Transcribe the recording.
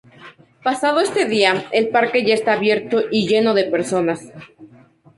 Pasado este día, el parque ya estaba abierto y lleno de personas.